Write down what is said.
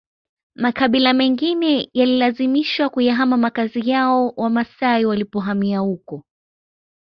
Makabila mengine yalilazimishwa kuyahama makazi yao Wamasai walipohamia huko